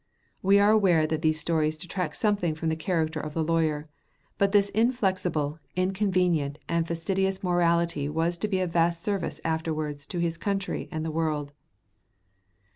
We are aware that these stories detract something from the character of the lawyer; but this inflexible, inconvenient, and fastidious morality was to be of vast service afterwards to his country and the world.